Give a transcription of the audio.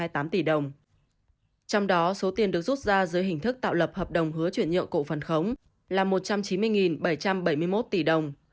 trong đó số tiền được rút ra dưới hình thức tạo lập hợp đồng hứa chuyển nhượng cổ phần khống là một trăm chín mươi bảy trăm bảy mươi một tỷ đồng